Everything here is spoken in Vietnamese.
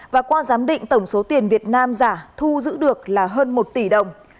và qua giám định tổng số tiền việt nam giả thu giữ được là hơn một tỷ đồng